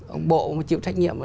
ông bộ mà chịu trách nhiệm